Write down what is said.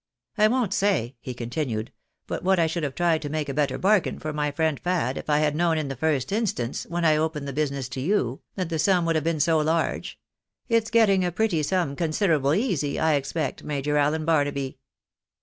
I won't say," he continued, " but what I should have tried to make a better bargain for my friend Fad if I had known in the first instance, when I opened the business to you, that the sum would have been so large. It's getting a pretty sum considerable easy, I expect. Major Allen Barnaby."